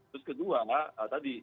terus kedua lah tadi